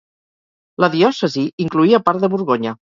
La diòcesi incloïa part de Borgonya.